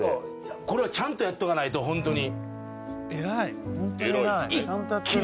これはちゃんとやっとかないとホントに。